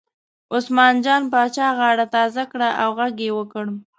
عثمان جان پاچا غاړه تازه کړه او غږ یې وکړ.